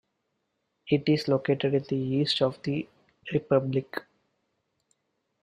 It is located in the east of the republic.